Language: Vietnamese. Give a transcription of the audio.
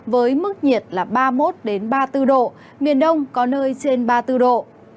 với mức nhiệt là ba mươi một ba mươi bốn độ miền đông có nơi trên ba mươi bốn độ